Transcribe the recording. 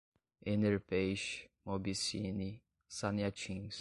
Enerpeixe, Mobi Cine, Saneatins